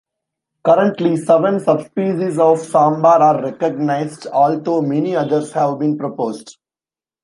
Currently, seven subspecies of sambar are recognised, although many others have been proposed.